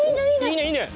いいねいいね！